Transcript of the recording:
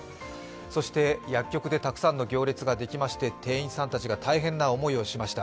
そして、薬局でたくさんの行列ができまして、店員さんたちが大変な思いをしました。